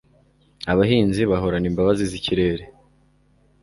Abahinzi bahorana imbabazi zikirere.